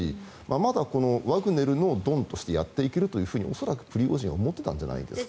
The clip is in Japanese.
まだワグネルのドンとしてやっていけると恐らくプリゴジンは思ってたんじゃないですかね。